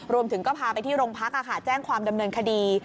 รวมถึงก็พาไปที่โรงพักแจ้งความดำเนินคดี